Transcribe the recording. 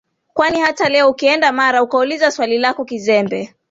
kwani hata leo ukienda Mara ukauliza swali lako kizembe